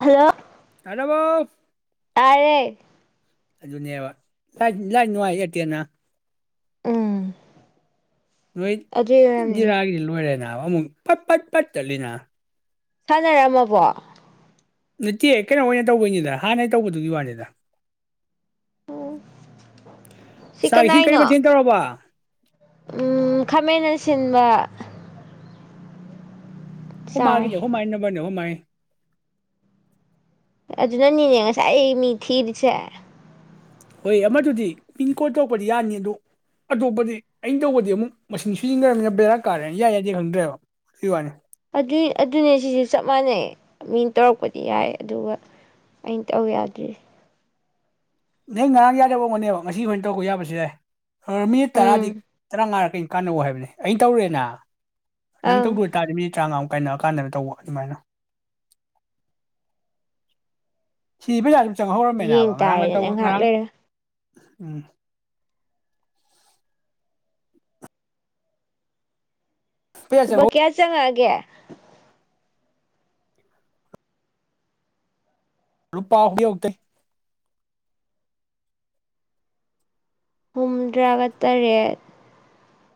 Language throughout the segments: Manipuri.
ꯍꯜꯂꯣ ꯇꯔꯕꯣ ꯇꯥꯔꯦ ꯑꯗꯨꯅꯦꯕ ꯂꯥꯏꯠ ꯂꯥꯏꯠ ꯅꯨꯉꯥꯏ ꯏꯌꯔꯇꯦꯜꯅ ꯎꯝ ꯅꯣꯏ ꯑꯗꯨ ꯑꯣꯏꯔꯝꯅꯤ ꯏꯟꯗꯤꯔꯥꯒꯤ ꯂꯣꯏꯔꯦꯅ ꯑꯃꯃꯨꯛ ꯐꯠ ꯐꯠ ꯐꯠ ꯇꯠꯂꯤꯅ ꯁꯥꯟꯅꯔꯝꯃꯕꯣ ꯅꯠꯇꯦ ꯀꯩꯅꯣ ꯑꯣꯏꯅ ꯇꯧꯕꯩꯅꯤꯗ ꯍꯥꯟꯅꯩ ꯇꯧꯕꯗꯨꯒꯤ ꯋꯥꯅꯦꯗ ꯁꯤ ꯁꯥꯥꯛ ꯏꯁꯤꯡ ꯀꯔꯤ ꯀꯅꯥꯏꯅꯣ ꯃꯊꯦꯜ ꯇꯧꯔꯕ ꯎꯝ ꯈꯥꯃꯦꯟ ꯑꯁꯤꯟꯕ ꯑꯩꯈꯣꯏꯃꯥꯒꯤꯗ ꯆꯥꯔꯦ ꯑꯩꯈꯣꯏꯃꯥ ꯅꯨꯞꯕꯔ ꯑꯩꯈꯣꯏꯃꯥ ꯑꯗꯨꯗꯅꯤꯅꯦ ꯉꯁꯥꯏ ꯑꯩ ꯃꯤ ꯊꯤꯔꯤꯁꯦ ꯍꯣꯏ ꯑꯃꯗꯨꯗꯤ ꯄꯤꯟ ꯀꯣꯠ ꯇꯧꯔꯄꯗꯤ ꯌꯥꯅꯤ ꯑꯗꯨ ꯑꯇꯣꯞꯄꯗꯤ ꯑꯩ ꯇꯧꯕꯗꯤ ꯑꯃꯨꯛ ꯃꯁꯤꯡ ꯁꯤꯖꯤꯟꯅꯔꯝꯅꯤꯅ ꯕꯦꯔꯥ ꯀꯥꯔꯅꯤ ꯌꯥꯏ ꯌꯥꯗꯦ ꯈꯪꯗ꯭ꯔꯦꯕ ꯑꯗꯨꯏ ꯋꯥꯅꯦ ꯑꯗꯨꯏ ꯑꯗꯨꯅꯦ ꯁꯤꯁꯨ ꯆꯞ ꯃꯥꯟꯅꯩ ꯃꯤꯅ ꯇꯧꯔꯛꯄꯗꯤ ꯌꯥꯏ ꯑꯗꯨꯒ ꯑꯩꯅ ꯇꯧ ꯌꯥꯗ꯭ꯔꯤ [unintelligible] ꯑ ꯃꯤꯠ ꯇꯔꯥꯗꯤ ꯎꯝ ꯇ꯭ꯔꯥꯉꯥꯔꯛ ꯀꯥꯟꯅꯧ ꯍꯥꯏꯕꯅꯦ ꯑꯩ ꯇꯧꯔꯦꯅ ꯅꯪ ꯑꯪ ꯇꯧꯗꯣꯏ ꯇꯥꯥꯔꯗꯤ ꯃꯤꯅꯤꯠ ꯇ꯭ꯔꯉꯥꯃꯨꯛ ꯑꯩ ꯅꯥ ꯀꯥꯟꯗ ꯇꯧꯕ ꯗꯨꯃꯥꯏꯅ [inaudible] ꯁꯤꯕ ꯌꯥ ꯌꯦꯡ ꯇꯥꯔꯦꯗꯅ ꯉꯥꯛ ꯂꯩꯔ ꯎꯝ ꯄꯩꯁꯥ ꯂꯨꯄꯥ ꯆꯪꯍꯧ ꯀꯌꯥ ꯆꯪꯉꯛꯑ ꯀꯦ [unintelligible] ꯍꯨꯝꯗ꯭ꯔꯥꯒ ꯇꯔꯦꯠ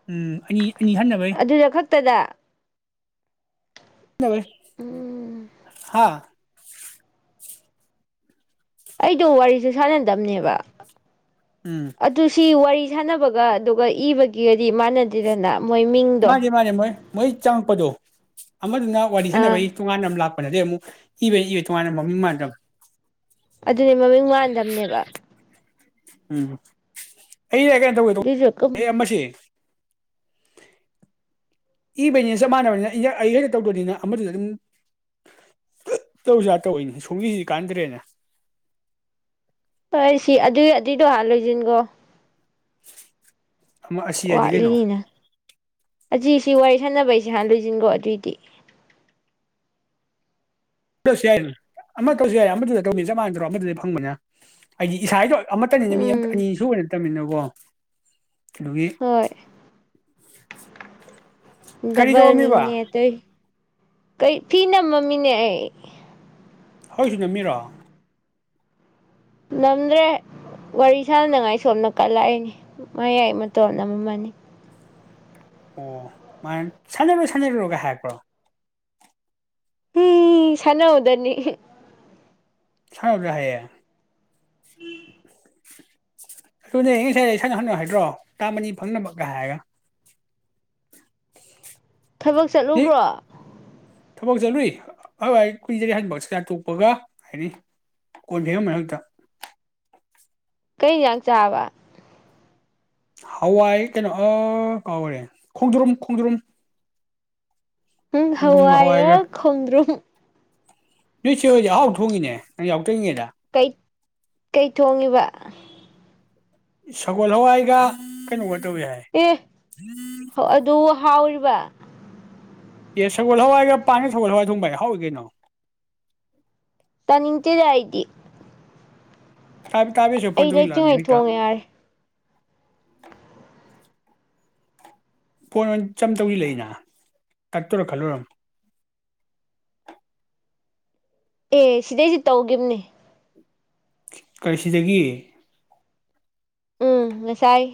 ꯎꯝ ꯑꯅꯤ ꯑꯅꯤ ꯍꯟꯅꯕꯩ ꯄꯗ ꯎꯝ ꯍꯥꯥ ꯑꯩꯗꯣ ꯋꯥꯔꯤꯁꯨ ꯁꯥꯟꯅꯗꯝꯕꯅꯦꯕ ꯎꯝ ꯑꯗꯨ ꯁꯤ ꯋꯥꯔꯤ ꯁꯥꯟꯅꯕꯒ ꯑꯗꯨꯒ ꯏꯕꯒꯤꯒꯗꯤ ꯃꯥꯟꯅꯗꯦꯗꯅ ꯃꯣꯏ ꯃꯤꯡꯗꯣ ꯃꯥꯒꯤ ꯃꯥꯒꯤ ꯃꯣꯏ ꯃꯣꯏ ꯆꯪꯉꯛꯄꯗꯣ ꯑꯃꯗꯨꯅ ꯋꯥꯔꯤ ꯑꯥ ꯁꯥꯟꯅꯕꯒꯤ ꯇꯣꯉꯥꯟꯅ ꯑꯃ ꯂꯥꯛꯄ ꯅꯗꯤ ꯑꯃꯨꯛ ꯏꯕꯩ ꯏꯕ ꯇꯣꯉꯥꯟꯅ ꯃꯃꯤꯡ ꯃꯥꯟꯅꯗꯕ ꯑꯗꯨꯅꯦ ꯃꯃꯤꯡ ꯃꯥꯟꯗꯕꯅꯦꯕ ꯎꯝ ꯑꯩꯅꯦ ꯀꯩꯅꯣ ꯇꯧꯒꯦ ꯑꯗꯨꯏꯁꯨ ꯀꯨꯝ ꯑꯦ ꯑꯃꯁ ꯏꯕꯩꯅꯤ ꯆꯞ ꯃꯥꯟꯅꯕꯅꯤꯅ ꯑꯩ ꯍꯦꯛꯇ ꯇꯧꯗꯣꯏꯅꯤꯅ ꯑꯃꯗꯨꯗ ꯑꯗꯨꯝ ꯇꯧꯁꯨ ꯌꯥ ꯇꯧꯏꯅꯤ ꯁꯨꯡꯢꯏ ꯀꯥꯟꯅꯗ꯭ꯔꯦꯅ ꯍꯣꯏ ꯁꯤ ꯑꯗꯨꯏ ꯑꯗꯨꯏꯗꯨ ꯂꯣꯏꯁꯤꯟꯈꯣ [unintelligible] ꯑꯃ ꯑꯁꯤ ꯍꯥꯏꯗꯤ ꯀꯩꯅꯣ ꯋꯥꯠꯂꯤꯅꯤꯅ ꯑꯁꯤ ꯁꯤ ꯋꯥꯔꯤ ꯁꯥꯟꯅꯕꯩꯁꯦ ꯍꯥꯟꯅ ꯂꯣꯏꯁꯤꯟꯈꯣ ꯑꯗꯨꯑꯣꯏꯗꯤ ꯇꯧꯁꯨ ꯌꯥꯏꯅꯦ ꯑꯃ ꯇꯧꯁꯨ ꯌꯥꯏ ꯑꯃꯗꯨꯗ ꯇꯧꯅꯤ ꯆꯞ ꯃꯥꯟꯅ ꯗ꯭ꯔꯣ ꯑꯃꯗꯨꯗꯤ ꯐꯪꯕꯅꯤꯅ ꯑꯩꯗꯤ ꯏꯁꯥꯗꯣꯟ ꯑꯃꯠꯇꯅꯤꯅ ꯃꯤ ꯑ ꯎꯝ ꯑꯅꯤꯁꯨꯨꯕ ꯑꯣꯏ ꯃꯤꯟꯅꯕꯣ ꯗꯨꯒꯤ ꯍꯣꯏ [unintelligible] ꯗꯕꯜꯅꯤꯅꯦ ꯇꯩ ꯀꯩ ꯐꯤ ꯅꯝꯃꯝꯃꯤꯅꯦ ꯑꯩ ꯍꯣꯏꯁꯨ ꯅꯝꯃꯤꯔꯣ ꯅꯝꯗ꯭ꯔꯦ ꯋꯥꯔꯤ ꯁꯥꯟꯅꯉꯥꯏ ꯁꯣꯝꯅ ꯀꯠꯂꯛꯏꯅꯤ ꯃꯌꯥꯏ ꯃꯇꯣꯟ ꯑꯃꯃꯅꯤ ꯑꯣ ꯃꯥ ꯁꯥꯟꯅꯔꯣ ꯁꯥꯟꯅꯔꯨꯔꯣꯒ ꯍꯥꯏꯔꯛꯄ꯭ꯔꯣ ꯎꯝ ꯁꯟꯅꯧꯗꯅꯤ ꯁꯥꯎꯗ꯭ꯔꯥ ꯍꯥꯏꯌꯦ [unintelligible] ꯑꯗꯨꯅꯦ ꯑꯩ ꯉꯁꯥꯏ ꯁꯛꯍꯟꯅꯣ ꯍꯥꯏꯗ꯭ꯔꯣ ꯆꯥꯝꯃꯅꯤ ꯐꯪꯅꯕꯒ ꯍꯥꯏꯔꯒ ꯊꯕꯛ ꯑꯦ ꯆꯠꯂꯨꯕ꯭ꯔꯣ ꯊꯕꯛ ꯆꯠꯂꯨꯏ ꯍꯣꯏ ꯀꯨꯏꯗꯔꯤ ꯍꯟꯕ ꯆꯥꯛꯆꯥ ꯇꯣꯛꯄꯒ ꯍꯥꯏꯅꯤ ꯀꯣꯟꯐꯦꯡꯉꯃꯤꯅꯦ ꯍꯦꯛꯇ ꯀꯩꯥ ꯍꯦꯟꯖꯥꯡ ꯆꯥꯔꯕ ꯍꯋꯥꯏ ꯀꯩꯅꯣ ꯑꯥ ꯀꯥꯎꯔꯦ ꯈꯣꯡꯗ꯭ꯔꯨꯝ ꯈꯣꯡꯗ꯭ꯔꯨꯝ ꯎꯝ ꯍꯋꯥꯏꯒ ꯈꯣꯗ꯭ꯔꯨꯝ ꯅꯣꯏ ꯆꯦ ꯍꯣꯏꯗꯤ ꯑꯍꯥꯎ ꯊꯣꯡꯏꯅꯦ [unintelligible] ꯀꯩ ꯀꯩ ꯊꯣꯡꯉꯤꯕ ꯁꯒꯣꯜ ꯍꯋꯥꯏꯒ ꯀꯩꯅꯣꯒ ꯌꯥꯏ ꯑꯦ ꯑꯗꯨ ꯍꯥꯎꯔꯤꯕ ꯑꯦ ꯁꯒꯣꯜ ꯍꯋꯥꯏꯒ ꯄꯥꯟꯒ ꯁꯒꯣꯜ ꯍꯋꯥꯏ ꯊꯣꯡꯕ ꯍꯥꯎꯏ ꯀꯩꯅꯣ ꯇꯅꯤꯡꯇꯦ ꯇꯦꯇꯥ ꯑꯩꯗꯤ ꯑꯩ ꯂꯩꯇ꯭ꯔꯤꯉꯩ ꯊꯣꯡꯉꯦ ꯌꯥꯔꯦ [unintelligible] [unintelligible] ꯑꯦ ꯁꯤꯗꯩꯁꯗꯤ ꯇꯧꯒꯤꯈꯤꯕꯅꯦ ꯀꯔꯤꯁꯤꯗꯒꯤ ꯎꯝ ꯉꯁꯥꯏ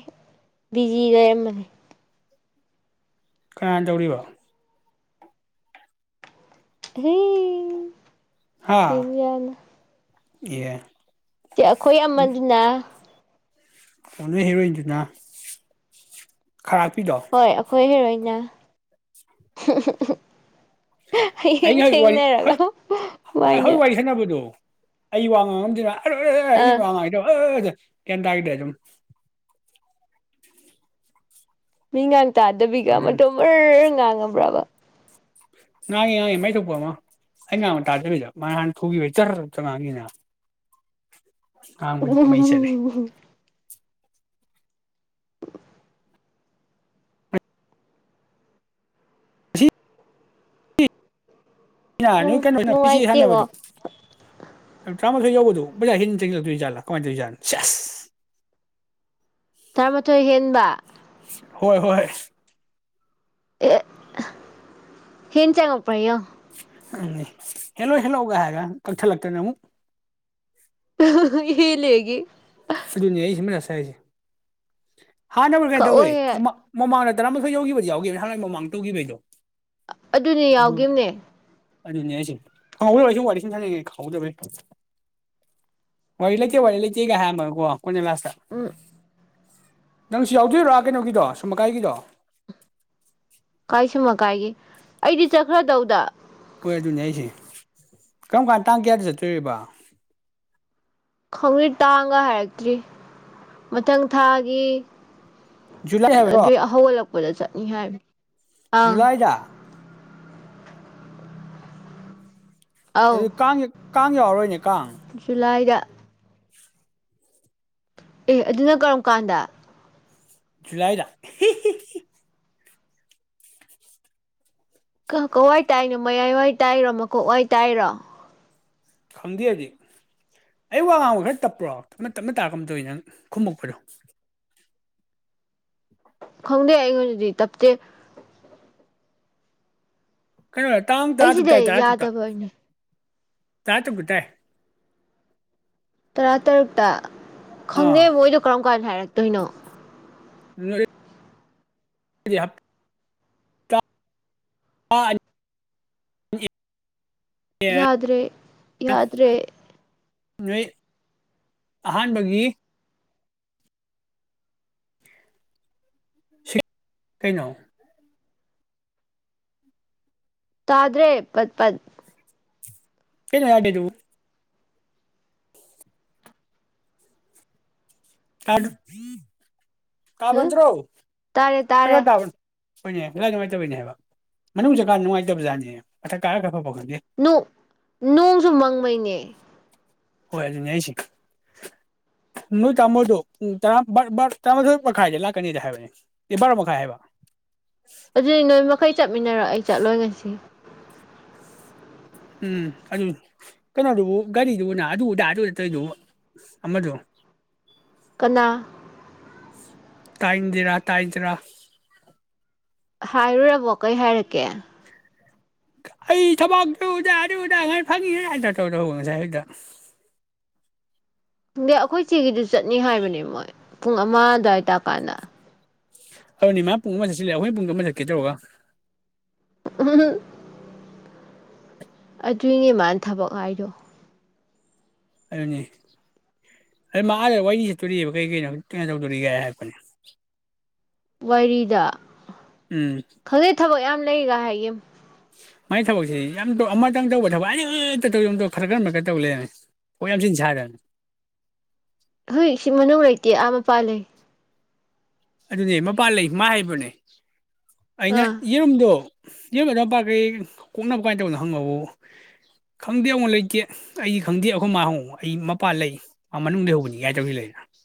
ꯕꯤꯖꯤ ꯂꯩꯔꯝꯕꯅꯦ ꯀꯅꯥꯅ ꯇꯧꯔꯤꯕ [inaudible] ꯍꯥ [unintelligible] ꯑꯦ ꯑꯩꯈꯣꯏ ꯑꯃꯗꯨꯅ ꯑꯣ ꯅꯣꯏ ꯍꯔꯣ꯭ꯏꯟꯗꯨꯅ ꯍꯣꯏ ꯑꯩꯈꯣꯏ ꯍꯦꯔꯣ꯭ꯏꯟꯅꯤꯅ [inaudible] ꯍꯌꯦꯡ ꯑꯩꯅ ꯍꯧꯖꯤꯛ ꯋꯥꯔꯤ ꯍꯧꯖꯤꯛ ꯊꯦꯡꯅꯔꯒ ꯃꯥꯏꯅ ꯍꯧꯖꯤꯛ ꯋꯥꯔꯤ ꯁꯥꯟꯅꯕꯗꯣ ꯑꯩ ꯋꯥꯡ ꯉꯥꯡ ꯉꯝꯗꯅ ꯑꯥ [unintelligible] [unintelligible] [inaudible] ꯇꯥꯗꯕꯤꯒ ꯃꯇꯣꯟ ꯉꯥꯡꯉꯤ ꯃꯔꯔ ꯉꯥꯡ [inaudible] ꯉꯥꯡꯉꯤ ꯉꯥꯡꯉꯤ ꯃꯥꯏ ꯊꯣꯛꯄ ꯑꯃ ꯑꯩꯅ ꯉꯥꯡꯕ ꯇꯥꯗꯕꯤꯗ ꯃꯥ ꯍꯥꯟꯅ ꯊꯨ ꯒꯤ ꯕꯩ ꯇꯔ ꯉꯥꯡꯈꯤꯅꯦ ꯎꯝ ꯅꯨꯡꯉꯥꯏꯇꯦꯉꯣ [unintelligible] ꯇꯔꯥꯃꯥꯊꯣꯏ ꯌꯧꯎꯕꯗꯨ ꯕꯖꯥ ꯍꯦꯟꯅ ꯆꯪꯁꯤꯜ ꯂꯛꯇꯣꯏ ꯖꯥꯠꯂꯥ ꯀꯃꯥꯏꯅ ꯇꯧꯔꯤ ꯖꯥꯠꯅꯣ ꯇꯔꯥꯃꯥꯊꯣꯏ ꯍꯦꯟꯕ ꯍꯣꯏ ꯍꯣꯏ ꯑꯦ ꯍꯦꯟ ꯆꯪꯂꯛꯄꯔꯥ ꯌꯦꯡꯉꯣ ꯎꯝ ꯍꯦꯜꯂꯣ ꯍꯜꯂꯣ ꯒ ꯍꯥꯏꯔꯒ ꯀꯛꯊꯠ ꯂꯛꯇꯅ ꯑꯃꯨꯛ ꯍꯦꯜꯂꯦ ꯑꯩꯒꯤ [unintelligible] [inaudible] ꯍꯥꯟꯅꯕꯨ ꯀꯩ ꯇꯧꯋꯦ ꯀꯛꯑꯣꯍꯦ ꯃꯃꯥ ꯃꯃꯥꯡꯗ ꯇꯔꯥꯃꯊꯣꯏ ꯌꯧꯈꯤꯕꯗꯤ ꯌꯥꯎꯈꯤꯕꯅꯦ ꯍꯥꯟꯅ ꯃꯃꯥꯡ ꯇꯧꯈꯤꯕꯒꯤꯗꯣ ꯑꯗꯨꯅꯦ ꯌꯥꯎꯒꯤꯝꯅꯦ ꯑꯗꯨꯅꯦ ꯑꯩꯁꯨ ꯀꯥꯎꯕꯒꯤ ꯑꯩ ꯁꯨꯝ ꯋꯥꯔꯤ ꯁꯨꯝ ꯁꯥꯅꯔꯤꯉꯩꯗ ꯈꯥꯎꯍꯧꯗꯕꯦ ꯋꯥꯔꯤ ꯂꯩꯇꯦ ꯋꯥꯔꯤ ꯂꯩꯇꯦꯒ ꯍꯥꯏꯌꯥꯝꯃꯒꯀꯣ ꯀꯨꯅ ꯂꯥꯁꯇ ꯎꯝ ꯅꯪꯁꯨ ꯌꯥꯎꯗꯣꯏꯔꯥ ꯀꯩꯅꯣꯒꯤꯗꯣ ꯁꯨꯝꯃꯀꯥꯏꯒꯤꯗꯣ ꯀꯥꯏꯁꯨꯝꯃ ꯀꯥꯏꯒꯤ ꯑꯩꯗꯤ ꯆꯠꯈ꯭ꯔꯗꯧꯗ ꯍꯣꯏ ꯑꯗꯨꯅꯦ ꯑꯩꯁꯦ ꯀꯔꯝ ꯀꯥꯟ ꯇꯥꯡ ꯀꯌꯥꯗ ꯆꯠꯇꯣꯏꯔꯤꯕ ꯈꯪꯗ꯭ꯔꯤ ꯇꯥꯡꯒ ꯍꯥꯏꯔꯛꯇ꯭ꯔꯤ ꯃꯊꯪ ꯊꯥꯒꯤ ꯖꯨꯂꯥꯏ ꯍꯥꯏꯕ꯭ꯔꯣ ꯑꯗꯨꯏ ꯍꯧꯒꯠꯂꯛ ꯄꯨꯂ ꯆꯠꯅꯤ ꯍꯥꯏ ꯖꯨꯂꯥꯏꯗ ꯑꯗꯨ ꯀꯥꯡ ꯀꯥꯡ ꯌꯥꯎꯔꯣꯏꯅꯦ ꯨꯖꯨꯂꯥꯏꯗ ꯑꯦ ꯑꯗꯨꯅ ꯀꯔꯝ ꯀꯥꯟꯗ ꯖꯨꯂꯥꯏꯗ ꯍꯤ ꯍꯤ ꯍꯤ ꯀꯋꯥꯏ ꯇꯥꯏꯅꯣ ꯃꯌꯥꯏꯋꯥꯏ ꯇꯥꯏꯔꯣ ꯃꯀꯣꯛ ꯋꯥꯏ ꯇꯥꯏꯔꯣ ꯈꯪꯗꯦꯔꯤ ꯍꯧꯖꯤꯛ ꯑꯩ ꯋꯥ ꯉꯥꯡꯕ ꯈꯔ ꯇꯞꯄ꯭ꯔꯣ ꯇꯞꯅ ꯇꯞꯅ ꯇꯥꯒꯨꯝ ꯇꯧꯏꯅ ꯅꯪ ꯈꯨꯝꯃꯛꯄꯗꯣ ꯈꯪꯗꯦ ꯑꯩꯉꯣꯟꯗꯗꯤ ꯇꯞꯇꯦ ꯀꯩꯅꯣ ꯇꯥꯡ ꯇꯔꯥ ꯑꯩꯁꯤꯗ ꯇꯔꯨꯛꯇꯥ ꯇꯔꯥ ꯇꯔꯨꯛꯇꯥ ꯌꯥꯗꯕꯩꯅꯦ ꯇꯥꯇꯨꯛꯇ ꯇꯥꯏ ꯇꯔꯥꯇꯔꯨꯛꯇ ꯑꯥ ꯈꯪꯗꯦ ꯕꯣꯏꯗꯣ ꯀꯔꯝ ꯀꯥꯟꯗ ꯍꯥꯏꯔꯛꯇꯣꯏꯅꯣ [unintelligible] ꯗꯤ ꯍꯥꯞ ꯑꯥ ꯌꯥꯗ꯭ꯔꯦ ꯌꯥꯗ꯭ꯔꯦ ꯅꯣꯏ ꯑꯍꯥꯟꯕꯒꯤ ꯁꯦ ꯀꯩꯅꯣ ꯇꯗ꯭ꯔꯦ ꯄꯠꯄꯠ [unintelligible] ꯀꯗꯨ ꯍ ꯀꯥꯕꯟ ꯇ꯭ꯔꯣ ꯇꯥꯔꯦ ꯈꯔ ꯇꯥꯔꯦ ꯇꯥꯕꯅꯤ ꯍꯣꯏꯅꯦ ꯀꯗꯥꯥꯏ ꯅꯨꯡꯉꯥꯏꯇꯕꯒꯤꯅꯦ ꯍꯥꯏꯕ ꯃꯅꯨꯡ ꯀꯥ ꯅꯨꯡꯉꯥꯏꯇꯕꯖꯥꯠꯅꯦ ꯑꯊꯛ ꯀꯥꯔ ꯈꯔ ꯐꯥꯎ ꯅꯨꯡ ꯅꯣꯡꯁꯨ ꯃꯪꯕꯒꯤꯅꯦ ꯍꯣꯏ ꯑꯗꯨꯅꯦ ꯑꯩꯁꯦ ꯅꯣꯏ ꯇꯥꯃꯣꯗꯣ ꯇꯔꯥꯃꯥꯊꯣꯏ ꯃꯈꯥꯏꯗ ꯂꯥꯛꯀꯅꯤꯗ ꯍꯥꯏꯕꯅꯦ ꯅꯤꯄꯥꯜ ꯃꯈꯥꯏ ꯍꯥꯏꯕ ꯑꯗꯨꯗꯤ ꯅꯣꯏ ꯃꯈꯩ ꯆꯠꯃꯤꯟꯅꯔꯣ ꯑꯩ ꯆꯠꯂꯣꯏ ꯉꯁꯤ ꯎꯝ ꯑꯗꯨ ꯀꯩꯅꯣꯗꯨꯕꯨ ꯒꯥꯔꯤꯗꯨꯕꯨ ꯑꯗꯨ ꯑꯗꯥ ꯑꯗꯨ ꯇꯧꯔꯤꯗꯨꯕꯨ ꯑꯃꯗꯣ ꯀꯅꯥ ꯇꯥꯏꯟꯗꯤꯔꯥ ꯇꯥꯏꯗꯔꯥ ꯍꯥꯏꯔꯨꯔꯕꯣ ꯀꯩ ꯍꯥꯏꯔꯛꯀꯦ ꯑꯩ ꯊꯕꯛꯇꯨ ꯇꯨꯗꯇꯨꯗ ꯉꯥꯏ ꯐꯪꯉꯤ ꯇꯧ ꯇꯧꯕ ꯉꯁꯥꯏ ꯍꯛꯇ ꯈꯪꯗꯦ ꯑꯩꯈꯣꯏ ꯆꯦꯒꯤꯗꯨ ꯆꯠꯅꯤ ꯍꯥꯏꯕꯅꯦ ꯃꯣꯏ ꯄꯨꯡ ꯑꯃ ꯑꯗꯨꯋꯥꯏ ꯇꯥꯀꯥꯟꯗ ꯑꯗꯨꯅꯤꯃ ꯄꯨꯡ ꯑꯃ ꯆꯠꯁꯤꯜꯂꯦ ꯑꯩꯈꯣꯏ ꯄꯨꯡ ꯑꯃ ꯆꯠꯀꯦ ꯇꯧꯔꯒ ꯎ ꯑꯗꯨꯏꯅꯦ ꯃꯥꯅ ꯊꯕꯛ ꯍꯥꯏꯗꯣ ꯑꯗꯨꯅꯤ ꯑꯗꯨ ꯃꯥꯗ ꯋꯥꯔꯤꯅꯤ ꯆꯠꯇꯣꯔꯤꯕ ꯀꯩ ꯀꯩꯅꯣꯖꯤ ꯀꯩꯅꯣ ꯇꯧꯗꯣꯔꯤꯒꯦ ꯍꯥꯏꯔꯛꯄꯅꯦ ꯋꯥꯏꯔꯤꯗ ꯎꯝ ꯈꯪꯗꯦ ꯊꯕꯛ ꯌꯥꯝ ꯂꯩꯒ ꯍꯥꯏꯒꯤꯝ ꯃꯥꯏ ꯊꯕꯛꯁꯤ ꯌꯥꯝ ꯑꯃꯇꯪ ꯇꯧꯕ ꯊꯕꯛ ꯑꯅꯤꯇ ꯇꯧ ꯑꯃ ꯈꯔ ꯀꯔ ꯃꯈꯔ ꯇꯧ ꯂꯩꯅꯤ ꯊꯕꯛ ꯌꯥꯝꯆꯤꯟ ꯁꯥꯗꯅ [unintelligible] ꯍꯣꯏ ꯁꯤ ꯃꯅꯨꯡ ꯂꯩꯇꯦ ꯑꯥ ꯃꯄꯥꯟ ꯂꯩ ꯑꯗꯨꯅꯦ ꯃꯄꯥꯟ ꯂꯩ ꯃꯥ ꯍꯥꯏꯕꯅꯦ ꯑꯩꯅ ꯑꯥ ꯌꯦꯔꯨꯝꯗꯣ ꯌꯦꯡꯒꯗꯄꯥꯥꯈꯩ ꯀꯣꯛꯅꯕ ꯀꯥꯏꯅ ꯇꯧꯗꯅꯣ ꯍꯪꯉꯎ ꯈꯪꯗꯦ ꯑꯃꯨꯛ ꯂꯩꯇꯦ ꯑꯩꯗꯤ ꯈꯪꯗꯦ ꯑꯩꯈꯣꯏ ꯃꯥ ꯍꯪꯉꯨ ꯑꯩ ꯃꯄꯥꯟ ꯂꯩ ꯃꯥ ꯃꯅꯨꯡꯗ ꯂꯩꯍꯧꯕꯅꯤ ꯀꯥꯏ ꯇꯧꯅꯤ ꯂꯩꯅ [unintelligible]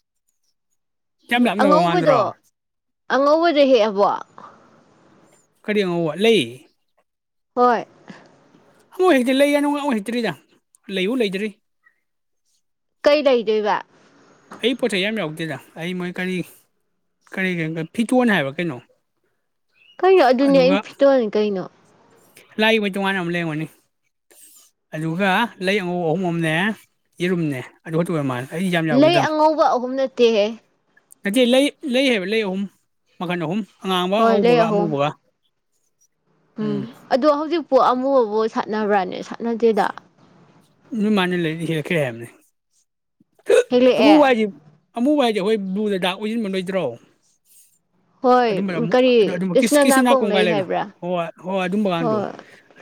ꯑꯉꯧꯕꯗꯣ ꯑꯉꯧꯕꯗꯣ ꯍꯦꯛꯑꯕꯣ ꯀꯔꯤ ꯑꯉꯧꯕ ꯂꯩ ꯍꯣꯏ ꯍꯩꯇ꯭ꯔꯤ ꯂꯩꯌꯦ ꯅꯨꯡ ꯑꯃꯨꯛ ꯍꯩꯇ꯭ꯔꯤꯗ ꯂꯩꯎ ꯂꯩꯗ꯭ꯔꯤ [unintelligible] ꯀꯩ ꯂꯩꯗꯣꯏꯕ ꯑꯩ ꯄꯣꯠꯆꯩ ꯌꯥꯝ ꯌꯥꯎꯗꯦꯗ ꯑꯩ ꯃꯣꯏ ꯀꯔꯤ ꯀꯔꯤ ꯐꯤꯇꯣꯟ ꯍꯥꯏꯕ ꯀꯩꯅꯣ ꯀꯩꯅꯣ ꯑꯗꯨꯅꯦ ꯑꯩꯩꯅ ꯐꯤꯠꯇꯣꯜꯅꯤ ꯀꯩꯅꯣ ꯂꯥꯏꯒꯤ ꯃꯣꯏ ꯇꯣꯉꯥꯟꯅ ꯑꯃ ꯂꯔꯝꯒꯅꯤ ꯑꯗꯨꯒ ꯂꯩ ꯑꯉꯧꯕ ꯑꯍꯨꯝ ꯑꯝꯅꯦ ꯌꯦꯔꯨꯝꯅꯦ ꯑꯗꯨ ꯈꯛꯇ ꯑꯣꯏꯔ ꯃꯥꯜꯂꯦ ꯑꯩꯗꯤ ꯌꯥꯝ ꯂꯩ ꯑꯉꯧꯕ ꯑꯍꯨꯝ ꯅꯠꯇꯦꯍꯦ ꯅꯇꯦ ꯂꯩ ꯂꯩ ꯍꯥꯏꯕ ꯂꯩ ꯑꯍꯨꯝ ꯃꯈꯟ ꯑꯍꯨꯝ ꯑꯉꯥꯡꯕꯒ ꯍꯣꯏ ꯂꯩ ꯑꯉꯧꯕꯒ ꯑꯍꯨꯝ ꯑꯃꯨꯕꯒ ꯎꯝ ꯑꯗꯣ ꯍꯧꯖꯤꯛ [unintelligible] ꯁꯥꯠꯅꯕ꯭ꯔꯅꯦ ꯁꯠ ꯅꯠꯇꯦꯗ ꯅꯣꯏ ꯃꯥꯅꯤ ꯂꯩ ꯍꯦꯛꯂꯛꯀꯦ ꯍꯥꯏꯝꯅꯦ ꯍꯦꯛꯂꯛꯑꯦ ꯊꯕꯨꯕꯥꯗꯤ ꯑꯃꯨꯕ ꯍꯥꯏꯗꯤ ꯑꯩꯈꯣꯏ ꯕ꯭ꯂꯨꯗ ꯗꯥꯛ [unintelligible] ꯍꯣꯏ ꯑꯗꯨꯝꯕ ꯀꯔꯤ ꯑꯃꯨꯛ ꯀꯤꯁ ꯀ꯭ꯔꯤꯁꯅ ꯀꯤꯁꯤꯅꯥ ꯅꯥꯀꯣꯡ ꯂꯩ ꯀꯣꯡꯀꯥꯏ ꯂꯩꯅꯣ ꯍꯥꯏꯕ꯭ꯔꯥ ꯍꯣꯏ ꯍꯣꯏ ꯑꯗꯨꯝꯕꯀꯥꯟꯗꯣ ꯍꯣꯏ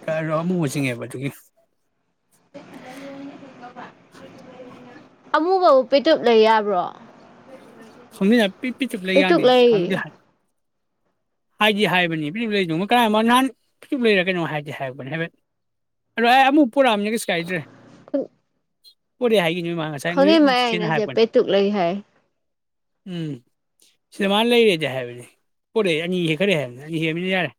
ꯑꯗꯣ ꯑꯃꯨꯕ ꯆꯤꯡꯉꯦꯕ ꯑꯗꯨꯒꯤ ꯑꯃꯨꯕꯕꯨ ꯄꯦꯇꯨꯞꯂꯩ ꯌꯥꯕ꯭ꯔꯣ [unintelligible] ꯄꯦꯇꯨꯛ ꯂꯩ ꯍꯥꯏꯗꯤ ꯍꯥꯏꯕꯅꯤ ꯐꯤꯖꯤꯛ ꯂꯩꯗꯧꯃ ꯀꯔꯥꯏꯃ ꯅꯍꯥꯟ ꯐꯤꯇꯛ ꯂꯩꯔꯀꯅꯣ ꯍꯥꯏꯗꯤ ꯍꯥꯏꯔꯛꯄꯅꯦ ꯍꯥꯏꯐꯦꯠ ꯑꯗꯣ ꯑꯩ ꯑꯃꯨꯛ ꯄꯔꯛꯑꯝꯅꯤꯅ ꯀꯩꯁꯨꯀꯥꯏꯗ꯭ꯔꯦ ꯄꯨꯔꯤ ꯍꯥꯏ ꯈꯪꯉꯤ ꯃꯌꯥꯏꯅꯁꯦ ꯄꯦꯇꯨꯛ ꯂꯩ ꯍꯥꯏ ꯎꯝ ꯁꯤꯗ ꯃꯥꯅ ꯂꯩꯔꯦꯗꯤ ꯍꯥꯏꯕꯅꯦ ꯄꯣꯔꯛꯑꯦ ꯑꯅꯤꯒ ꯈꯔ ꯍꯦꯟꯕꯅꯦ ꯑꯅꯤ ꯍꯥꯏꯕꯅꯤꯅ ꯌꯥꯔꯦ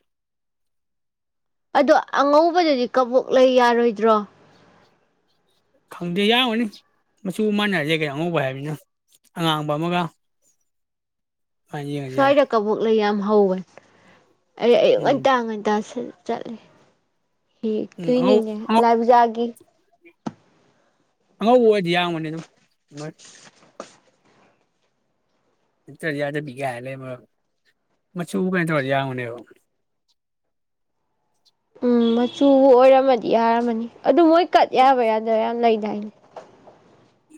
ꯑꯗꯣ ꯑꯉꯧꯕꯗꯗꯤ ꯀꯕꯣꯛ ꯂꯩ ꯌꯥꯔꯣꯏꯗ꯭ꯔꯣ ꯈꯪꯗꯦ ꯌꯥꯒꯅꯤ ꯃꯆꯨ ꯃꯥꯟꯅꯔꯁꯦ ꯀꯩꯅꯣ ꯑꯉꯧꯕ ꯍꯥꯏꯕꯅꯤꯅ ꯑꯉꯥꯡꯕ ꯑꯃꯒ ꯑꯗꯨꯃꯥꯏꯅ ꯌꯦꯡꯉꯗꯤ ꯌꯥꯔꯦ ꯁ꯭ꯋꯥꯏꯗ ꯀꯕꯣꯛ ꯂꯩ ꯌꯥꯝꯃ ꯍꯧꯕꯅꯦ ꯑ ꯑꯩꯉꯟ ꯎꯝ ꯇꯉꯟ ꯇ ꯆꯠꯂꯦ ꯍ ꯎꯝ ꯑꯉꯧ ꯀꯅꯤꯅꯦ ꯑꯉꯧ ꯂꯥꯏꯄꯨꯖꯥꯒ ꯑꯉꯧꯕ ꯑꯣꯏꯔꯗꯤ ꯌꯥꯔꯝꯒꯅꯤ ꯑꯗꯨꯝ ꯅꯠꯇ꯭ꯔꯗꯤ ꯌꯥꯗꯕꯤ ꯒꯥꯏꯅ ꯂꯩꯕ꯭ꯔ ꯀꯥꯏꯅ ꯇꯧꯔꯗꯤ ꯌꯥꯔꯝꯒꯅꯤꯕ ꯎꯝ ꯃꯆꯨꯕꯨ ꯑꯣꯏꯔꯝꯃꯗꯤ ꯌꯥꯔꯝꯃꯅꯤ ꯑꯗꯨ ꯃꯣꯏ ꯀꯠ ꯌꯥꯕ ꯌꯥꯗꯕ ꯌꯥꯝ ꯂꯩ [inaudible]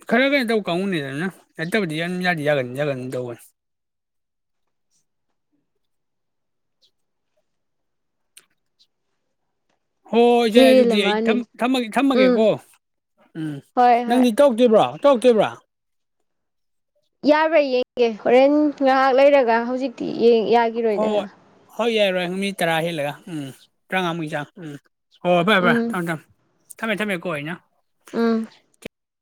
ꯈꯔ ꯀꯩꯅꯣ ꯇꯧ ꯀꯥꯡꯉꯨꯅꯤꯗꯅ ꯅꯠꯇꯕꯨꯗꯤ ꯌꯥꯝ ꯌꯥꯗꯤ ꯌꯥꯒꯟꯅꯤ ꯌꯥꯒꯅꯤꯡ ꯇꯧꯕꯅꯤ ꯍꯣꯏꯁꯦ ꯍꯦꯜꯂ ꯑꯗꯨꯗꯤ ꯑꯩ ꯊꯝ ꯃꯥꯜꯂꯦ ꯊꯝꯃꯒꯦ ꯎꯝ ꯊꯝꯃꯒꯦꯀꯣ ꯎꯝ ꯍꯣꯏ ꯍꯣꯏ ꯅꯪꯗꯤ ꯇꯧꯗ꯭ꯔꯤꯕ꯭ꯔꯣ ꯇꯣꯛꯇ꯭ꯨꯔꯤꯕ꯭ꯔ ꯌꯥꯕ꯭ꯔ ꯌꯦꯡꯒꯦ ꯍꯣꯔꯦꯟ ꯉꯥꯏꯍꯥꯛ ꯂꯩꯔꯒ ꯍꯧꯖꯤꯛꯇꯤ ꯌꯦꯡ ꯍꯣꯏ ꯌꯥꯒꯤꯔꯣꯏꯗꯅ ꯍꯣꯏ ꯌꯥꯏꯔꯣꯏ ꯅꯨ ꯃꯤꯠ ꯇꯔꯥ ꯍꯦꯜꯂꯒ ꯎꯝ ꯇꯔꯥꯉꯥꯃꯨꯀꯤ ꯆꯥꯡ ꯎꯝ ꯑꯣ ꯐꯔꯦ ꯐꯔꯦ ꯎꯝ ꯊꯝꯃꯦ ꯊꯃꯦ ꯊꯃꯦ ꯀꯣ ꯑꯩꯅ ꯎꯝ